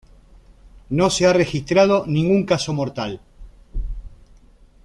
No se ha registrado ningún caso mortal.